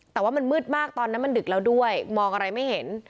แต่ว่ามันมืดมากตอนนั้นมันดึกแล้วด้วยมองอะไรไม่เห็น